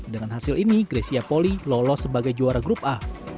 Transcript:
dengan hasil ini grecia poli lolos sebagai juara grup a